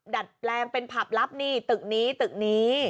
ดัดแปลงเป็นผับลับนี่ตึกนี้ตึกนี้